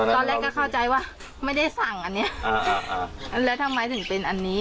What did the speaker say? ตอนแรกก็เข้าใจว่าไม่ได้สั่งอันนี้แล้วทำไมถึงเป็นอันนี้